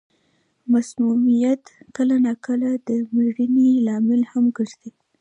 مسمومیت کله نا کله د مړینې لامل هم ګرځي.